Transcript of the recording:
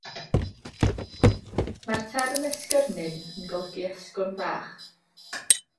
Mae'r term esgyrnyn yn golygu asgwrn bach.